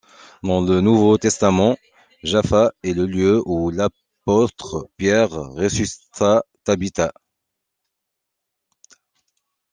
Dans le Nouveau Testament, Jaffa est le lieu où l'apôtre Pierre ressuscita Tabitha.